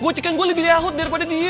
gue cekan gue lebih lehut daripada dia